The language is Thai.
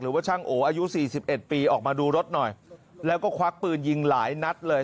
ว่าช่างโออายุสี่สิบเอ็ดปีออกมาดูรถหน่อยแล้วก็ควักปืนยิงหลายนัดเลย